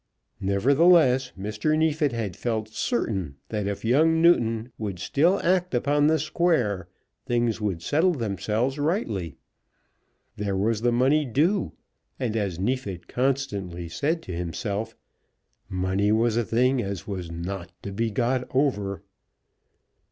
Nevertheless Mr. Neefit had felt certain that if young Newton would still act upon the square, things would settle themselves rightly. There was the money due, and, as Neefit constantly said to himself, "money was a thing as was not to be got over."